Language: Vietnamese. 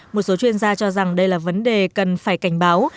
một số chuyên gia cho rằng đây là vấn đề cần phải cảnh báo